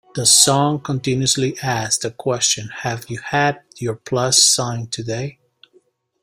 The song continuously asks the question Have you had your plus sign today?